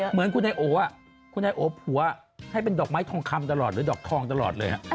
เหมือนคุณไอโอคุณไอโอผัวให้เป็นดอกไม้ทองคำตลอดหรือดอกทองตลอดเลย